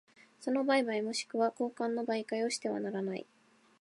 その売買若しくは交換の媒介をしてはならない。